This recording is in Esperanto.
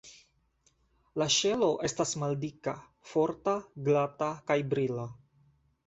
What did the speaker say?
La ŝelo estas maldika, forta, glata kaj brila.